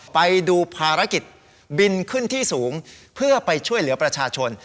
ไปดูภารกิจบินขึ้นที่สูงเพื่อไปช่วยเหลือประชาชน